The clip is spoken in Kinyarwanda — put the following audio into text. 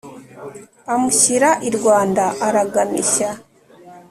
Amushyira i Rwanda aragamishya.